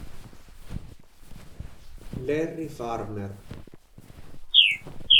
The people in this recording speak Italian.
Larry Farmer